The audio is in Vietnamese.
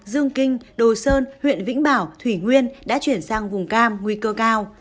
dương kinh đồ sơn huyện vĩnh bảo thủy nguyên đã chuyển sang vùng cam nguy cơ cao